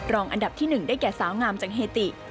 รองอันดับที่๑ได้แก่สาวงามจากเฮติ